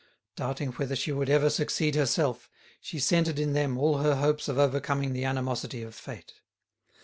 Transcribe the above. Doubting whether she would ever succeed herself, she centred in them all her hopes of overcoming the animosity of fate.